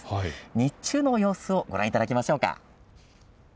日中の様子をご覧いただきましょう。